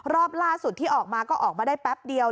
รอบล่าสุดที่ออกมาก็ออกมาได้แป๊บเดียว